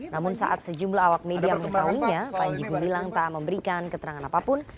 namun saat sejumlah awak media mengetahuinya panji gumilang tak memberikan keterangan apapun